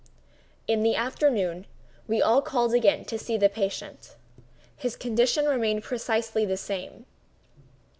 In the afternoon we all called again to see the patient. His condition remained precisely the same.